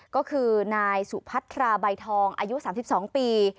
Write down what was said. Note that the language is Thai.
ก็คือนายสุพัทราใบทองอายุ๓๒ปี